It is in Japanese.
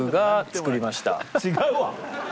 違うわ！